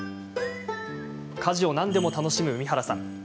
家事を何でも楽しむ海原さん。